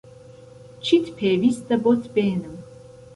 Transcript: چیت پێویستە بۆت بێنم؟